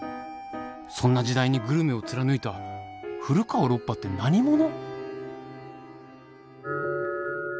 そんな時代にグルメを貫いた古川ロッパって何者？